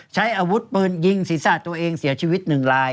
ใช้อาวุธปืนยิงศีรษะตัวเองเสียชีวิตหนึ่งลาย